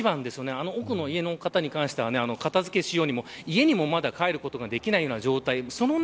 あの奥の家の方に関しては片付けをしようにも家にもまだ帰ることができない状態。